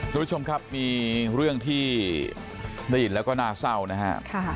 ทุกผู้ชมครับมีเรื่องที่ได้ยินแล้วก็น่าเศร้านะฮะ